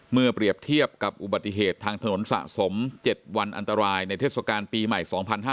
เมื่อเปรียบเทียบกับอุบัติเหตุทางถนนสะสม๗วันอันตรายในเทศกาลปีใหม่๒๕๕๙